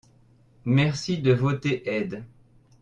Merci de voter aide.